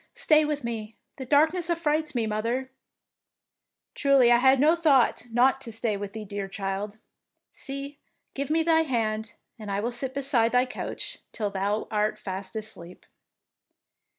Stay with me; the darkness affrights me, mother." " Truly I had no thought not to stay with thee, dear child. See, give me thy hand, and I will sit beside thy couch till thou art fast asleep."